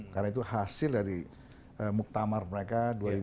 karena itu hasil dari muktamar mereka dua ribu dua belas